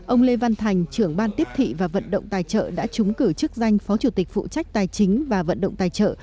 ông lê văn thành trưởng ban tiếp thị và vận động tài trợ đã trúng cử chức danh phó chủ tịch phụ trách tài chính và vận động tài trợ